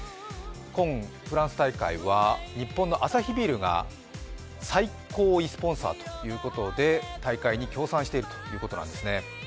今フランス大会は日本のアサヒビールが最高位スポンサーということで大会に協賛しているということなんですね。